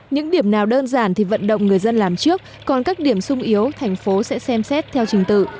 những điểm nào đơn giản thì vận động người dân làm trước còn các điểm sung yếu thành phố sẽ xem xét theo trình tự